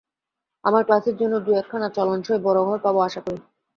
আমার ক্লাসের জন্য দু-একখানা চলনসই বড় ঘর পাব, আশা করি।